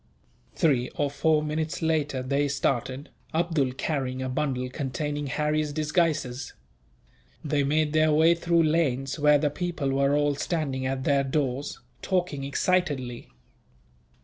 Three or four minutes later they started, Abdool carrying a bundle containing Harry's disguises. They made their way through lanes, where the people were all standing at their doors, talking excitedly.